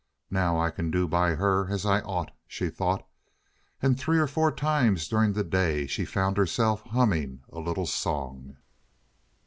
"Now I can do by her as I ought," she thought; and three or four times during the day she found herself humming a little song.